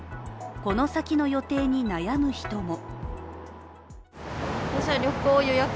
この先の予定に悩む人も。